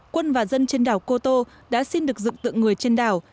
quân và dân trên đảo cô tô đã xin được dựng tượng người trên đảo